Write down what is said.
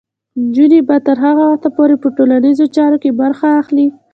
نجونې به تر هغه وخته پورې په ټولنیزو چارو کې برخه اخلي.